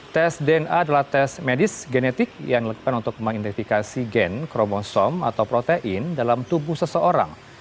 tes dna adalah tes medis genetik yang dilakukan untuk mengidentifikasi gen kromosom atau protein dalam tubuh seseorang